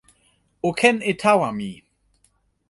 o ken e tawa mi!